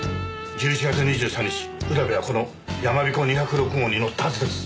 １１月２３日浦部はこのやまびこ２０６号に乗ったはずです。